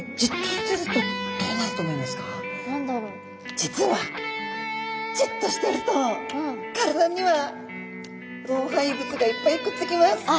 実はじっとしてると体には老廃物がいっぱいくっつきます。